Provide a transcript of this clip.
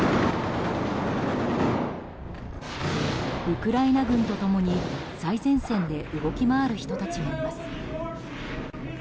ウクライナ軍と共に、最前線で動き回る人たちもいます。